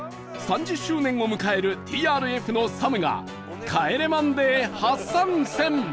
３０周年を迎える ＴＲＦ の ＳＡＭ が『帰れマンデー』初参戦